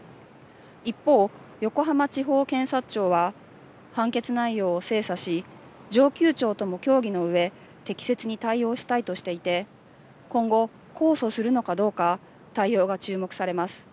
一方、横浜地方検察庁は、判決内容を精査し、上級庁とも協議のうえ、適切に対応したいとしていて、今後、控訴するのかどうか、対応が注目されます。